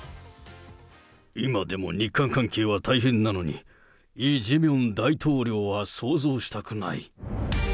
今でも日韓関係は大変なのに、イ・ジェミョン大統領は想像したくない。